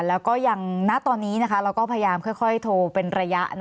แล้วก็ยังณตอนนี้เราก็พยายามค่อยโทรเป็นระยะ